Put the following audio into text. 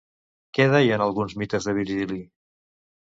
Què deien alguns mites de Virgili?